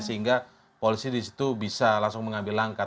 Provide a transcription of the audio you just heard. sehingga polisi disitu bisa langsung mengambil langkah